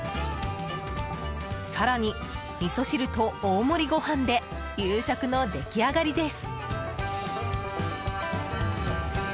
更に、みそ汁と大盛りご飯で夕食の出来上がりです。